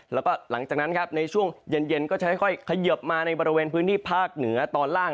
แล้วก็หลังจากนั้นครับในช่วงเย็นก็จะค่อยเขยิบมาในบริเวณพื้นที่ภาคเหนือตอนล่าง